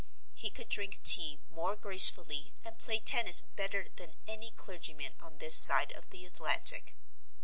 He could drink tea more gracefully and play tennis better than any clergyman on this side of the Atlantic.